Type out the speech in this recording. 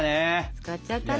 使っちゃったね。